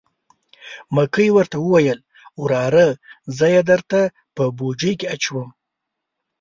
مکۍ ورته وویل: وراره زه یې درته په بوجۍ کې اچوم.